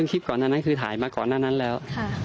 คลิปก่อนหน้านั้นคือถ่ายมาก่อนหน้านั้นแล้ว